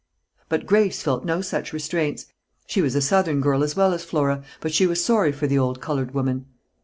But Grace felt no such restraints. She was a southern girl as well as Flora, but she was sorry for the old colored woman.